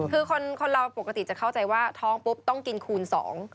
คือคนเราปกติจะเข้าใจว่าท้องปุ๊บต้องกินคูณสอง